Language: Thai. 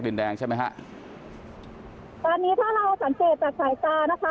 กะสินของน้ำหน้าตาห์เนี่ยนะคะไฟไปที่บ้านเรือนของประชาชนด้วยค่ะ